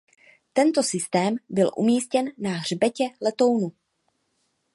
Tento systém byl umístěn na hřbetě letounu.